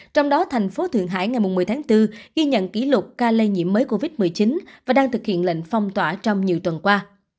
trong đó thành phố thượng hải ngày một mươi tháng bốn ghi nhận kỷ lục ca lây nhiễm mới covid một mươi chín và đang thực hiện lệnh phong tỏa trong nhiều tuần qua